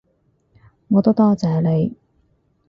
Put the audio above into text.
我都多謝你